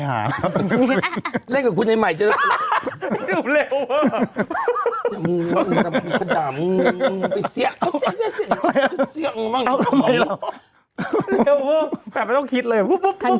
โอ้โหไม่ต้องคิดเลย